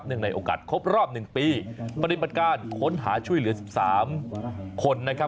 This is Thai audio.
ในโอกาสครบรอบ๑ปีปฏิบัติการค้นหาช่วยเหลือ๑๓คนนะครับ